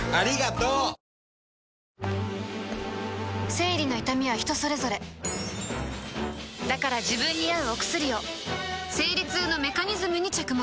生理の痛みは人それぞれだから自分に合うお薬を生理痛のメカニズムに着目